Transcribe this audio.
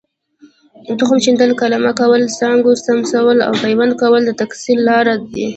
تخم شیندل، قلمه کول، څانګو څملول او پیوند کول د تکثیر لارې دي.